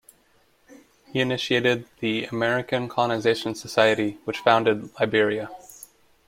He initiated the American Colonization Society which founded Liberia.